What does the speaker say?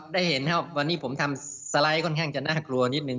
ได้เห็นครับวันนี้ผมทำสไลด์ค่อนข้างจะน่ากลัวนิดนึ